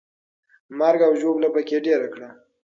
مرګ او ژوبله پکې ډېره کړه.